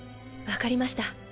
わかりました。